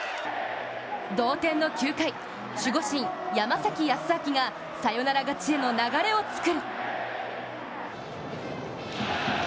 同点の９回、守護神・山崎康晃がサヨナラ勝ちへの流れを作る。